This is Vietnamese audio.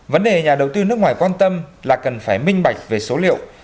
vấn đề nhà đầu tư nước ngoài quan tâm là cần phải minh bạch về số liệu